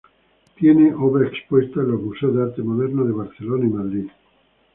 Tiene obra expuesta en los museos de arte moderno de Barcelona y Madrid.